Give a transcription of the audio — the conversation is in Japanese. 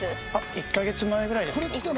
１カ月前ぐらいですけど。